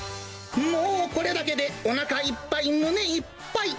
もうこれだけでおなかいっぱい胸いっぱい。